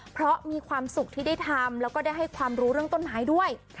เพราะมีความสุขที่ได้ทำแล้วก็ได้ให้ความรู้เรื่องต้นไม้ด้วย